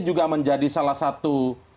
juga menjadi salah satu